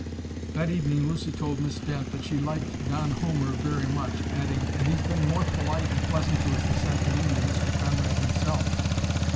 That evening Lucy told Miss Dent that she liked Don Homer very much, adding, "And he's been more polite and pleasant to us this afternoon than Mr. Conrad himself."